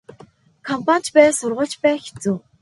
Компани ч бай сургууль ч бай хэцүү.